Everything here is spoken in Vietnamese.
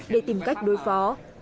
để tìm cách đối phó